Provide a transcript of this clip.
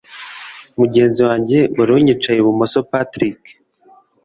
mugenzi wanjye wari unyicaye ibumoso Patrick